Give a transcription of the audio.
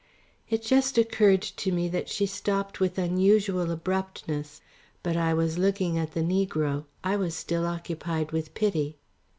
It just occurred to me that she stopped with unusual abruptness, but I was looking at the negro, I was still occupied with pity.